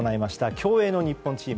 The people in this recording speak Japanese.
競泳の日本チーム。